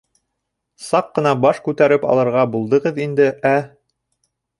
Саҡ ҡына баш күтәреп алырға булдығыҙ инде, ә?